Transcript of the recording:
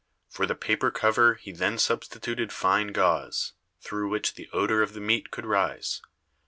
For the paper cover he then substituted fine gauze, through which the odor of the meat could rise.